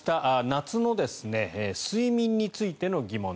夏の睡眠についての疑問。